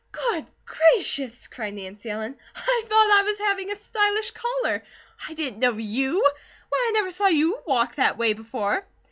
"Good gracious!" cried Nancy Ellen. "I thought I was having a stylish caller. I didn't know you! Why, I never saw YOU walk that way before."